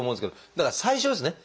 だから最初ですね。